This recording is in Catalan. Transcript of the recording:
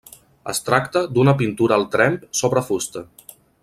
Es tracta d'una pintura al tremp sobre fusta.